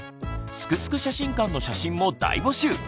「すくすく写真館」の写真も大募集！